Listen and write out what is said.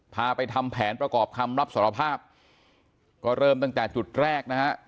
พาไปทำแผนประกอบคำรับสารภาพก็เริ่มตั้งแต่จุดแรกนะฮะ